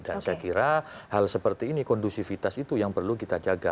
dan saya kira hal seperti ini kondusifitas itu yang perlu kita jaga